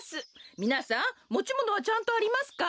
みなさんもちものはちゃんとありますか？